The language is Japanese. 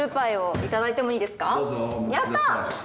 やった。